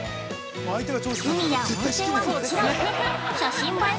海や温泉はもちろん写真映え